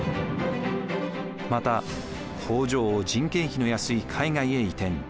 また工場を人件費の安い海外へ移転。